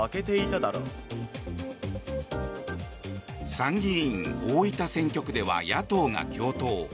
参議院大分選挙区では野党が共闘。